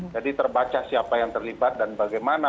jadi terbaca siapa yang terlibat dan bagaimana